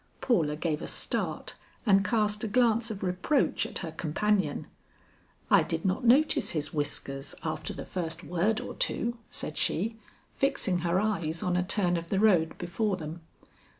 Paula gave a start and cast a glance of reproach at her companion. "I did not notice his whiskers after the first word or two," said she, fixing her eyes on a turn of the road before them.